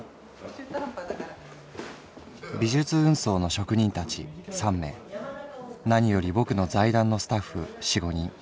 「美術運送の職人たち三名何よりぼくの財団のスタッフ四五人。